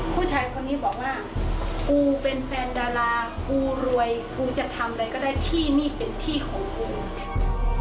ผู้ชายคนนี้บอกว่ากูเป็นแฟนดารากูรวยกูจะทำอะไรก็ได้ที่นี่เป็นที่ของกู